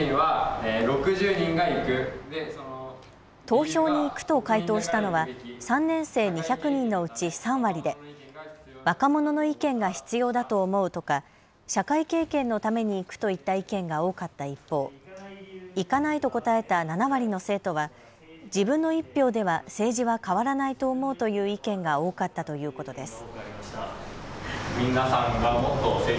投票に行くと回答したのは３年生２００人のうち３割で若者の意見が必要だと思うとか社会経験のために行くといった意見が多かった一方、行かないと答えた７割の生徒は自分の１票では政治は変わらないと思うという意見が多かったということです。